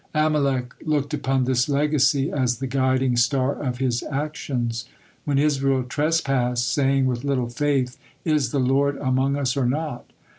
Amalek looked upon this legacy as the guiding star of his actions. When Israel trespassed, saying with little faith, "Is the Lord among us, or not?"